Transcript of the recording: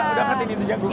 udah ngertiin itu jagung